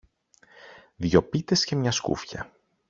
δυο πίτες και μια σκούφια.